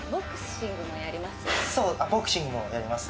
ボクシングもやります？